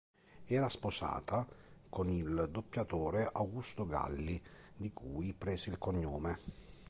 Era sposata con il doppiatore Augusto Galli, di cui prese il cognome.